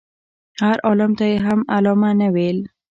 هر عالم ته یې هم علامه نه ویل.